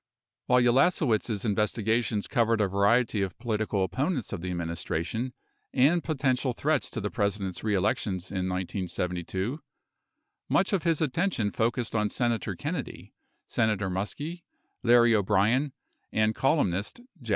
While Ulasewicz' investigations covered a variety of political oppo nents of the administration and potential threats to the President's reelections in 1972 much of his attention focused on Senator Kennedy, Senator Muskie, Larry O'Brien, and columnist Jack Anderson.